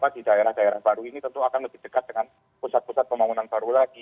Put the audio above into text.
di daerah daerah baru ini tentu akan lebih dekat dengan pusat pusat pembangunan baru lagi